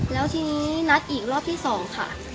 แล้วทีนี้นัดอีกรอบที่๒ค่ะ